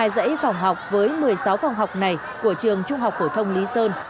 hai dãy phòng học với một mươi sáu phòng học này của trường trung học phổ thông lý sơn